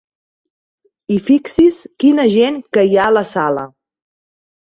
I fixi's quina gent que hi ha a la sala!